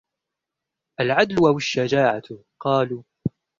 الْعَدْلُ أَوْ الشُّجَاعَةُ ؟ قَالُوا